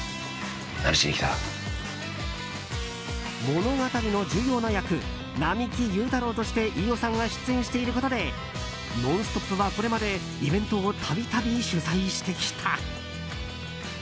物語の重要な役並木祐太郎として飯尾さんが出演していることで「ノンストップ！」はこれまでイベントを度々、取材してきた。